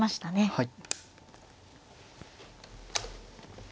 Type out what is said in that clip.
はい。